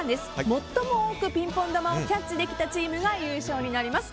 最も多くピンポン球をキャッチできたチームが優勝になります。